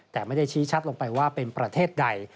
แต่ไม่ได้ชี้ชัดลงไปว่าเป็นประเทศใด